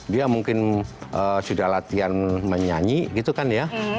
dia mungkin sudah latihan menyanyi gitu kan ya